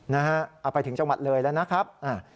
เอาไปถึงจังหวัดเลยแล้วนะครับ